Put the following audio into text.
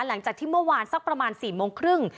หลังจากที่เมื่อวานสักประมาณ๔โมงครึ่ง